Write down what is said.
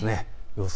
予想